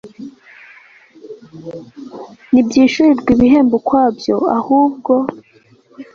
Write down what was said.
ntibyishyurirwa ibihembo ukwabyo ahubwo